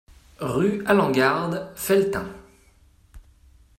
Rue Alengarde, Felletin